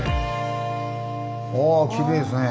あきれいですね。